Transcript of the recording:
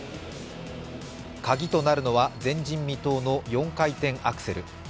鍵となるのは前人未到の４回転アクセル。